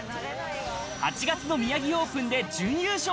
８月の宮城オープンで準優勝。